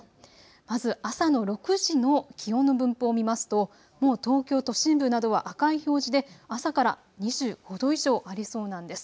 まず朝の６時の気温の分布を見ますともう東京都心部などは赤い表示で朝から２５度以上ありそうなんです。